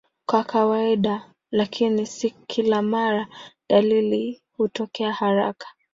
Kwa kawaida, lakini si kila mara, dalili hutokea haraka.